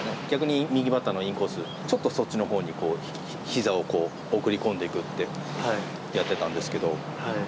逆に右バッターのインコースはちょっとそっちのほうにひざを送り込んでいくってやっていたんですけど。